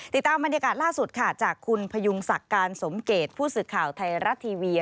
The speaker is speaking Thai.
ติดตามบรรยากาศล่าสุดค่ะจากคุณพยุงศักดิ์การสมเกตผู้สื่อข่าวไทยรัฐทีวี